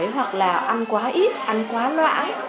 hoặc là ăn quá ít ăn quá lãng